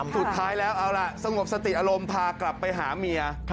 สุดท้ายแล้วเอาล่ะสงบสติอารมณ์พากลับไปหาเมีย